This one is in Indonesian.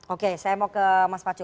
oke saya mau ke mas pacu